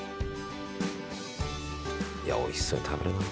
いやおいしそうに食べるなあ。